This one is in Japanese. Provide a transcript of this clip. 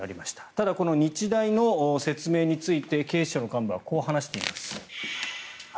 ただ、この日大の説明について警視庁の幹部はこう話しています。